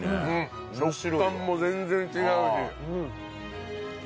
食感も全然違うし。